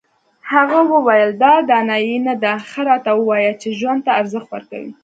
هغه وویل دا دانایي نه ده ښه راته ووایه چې ژوند ته ارزښت ورکوې.